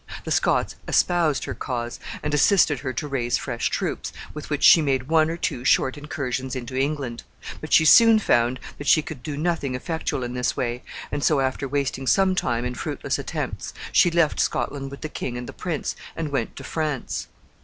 The Scots espoused her cause, and assisted her to raise fresh troops, with which she made one or two short incursions into England; but she soon found that she could do nothing effectual in this way, and so, after wasting some time in fruitless attempts, she left Scotland with the king and the prince, and went to France.